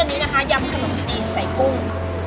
อันนี้นะคะยำขนมจีนใส่กุ้ง